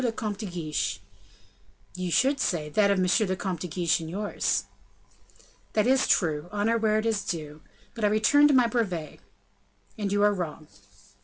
le Comte de Guiche." "You should say, that of M. le Comte de Guiche and yours." "That is true; honor where it is due; but I return to my brevet." "And you are wrong."